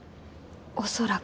恐らく。